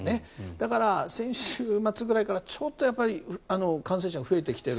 だから、先週末ぐらいからちょっと感染者が増えてきている。